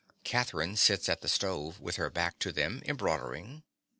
Catherine sits at the stove, with her back to them, embroidering.